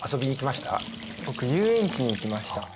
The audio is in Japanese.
僕遊園地に行きました。